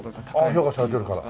ああ評価されてるから。